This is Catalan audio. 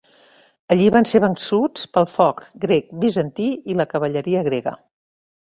Allí van ser vençuts pel foc grec bizantí i la cavalleria grega.